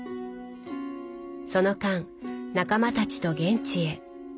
その間仲間たちと現地へ。